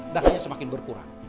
dan hanya semakin berkurang